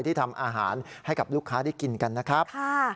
ที่ทำอาหารให้กับลูกค้าได้กินกันนะครับ